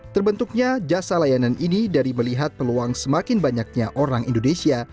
terbentuknya jasa layanan ini dari melihat peluang semakin banyaknya orang indonesia